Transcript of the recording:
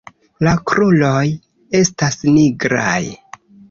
La kruroj estas nigraj.